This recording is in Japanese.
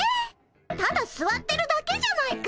ただすわってるだけじゃないか。